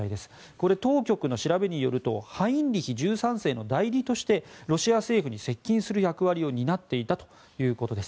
これ、当局の調べによるとハインリヒ１３世の代理人としてロシア政府に接近する役割を担っていたということです。